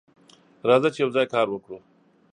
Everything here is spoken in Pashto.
راځه چې یوځای کار وکړو.